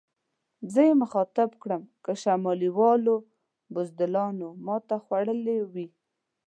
زه یې مخاطب کړم: که شمالي والو بزدلانو ماته خوړلې وي.